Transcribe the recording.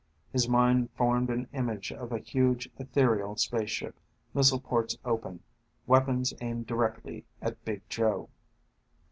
His mind formed an image of a huge, ethereal spaceship, missile ports open, weapons aimed directly at Big Joe.